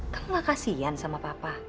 kamu gak kasian sama papa